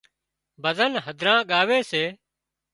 ڀزن هڌران ڳاوي سي